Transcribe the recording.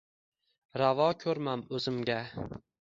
Ravo ko’rmamo’zimga